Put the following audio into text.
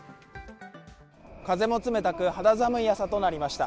風も冷たく、肌寒い朝となりました。